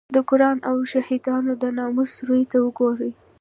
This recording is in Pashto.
د قران او شهیدانو د ناموس روی ته وګوره.